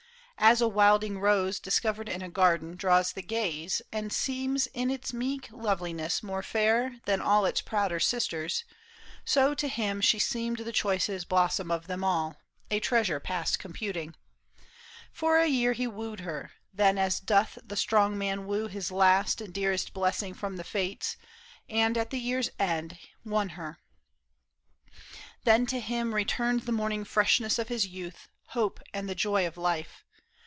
As a wilding rose PAUL ISHAM. 43 Discovered in a garden draws the gaze And seems in its meek loveliness more fair Than all its prouder sisters, so to him She seemed the choicest blossom of them all, A treasure past computing. For a year He wooed her, then, as doth the strong man woo His last and dearest blessing from the fates, And at the year's end won her. Then to him Returned the morning freshness of his youth, Hope and the joy of life.